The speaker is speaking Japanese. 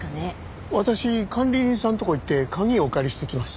私管理人さんのとこへ行って鍵お借りしてきます。